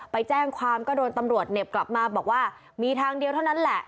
ไปแจ้งความก็โดนตำรวจเหน็บกลับมาบอกว่ามีทางเดียวเท่านั้นแหละ